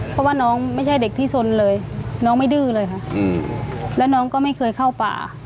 เพราะว่าน้องไม่ใช่เด็กที่สนเลยน้องไม่ดื้อเลยค่ะแล้วน้องก็ไม่เคยเข้าป่า